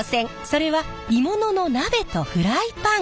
それは鋳物の鍋とフライパン！